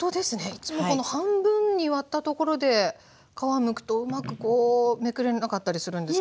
いつもこの半分に割ったところで皮むくとうまくこうめくれなかったりするんですけど。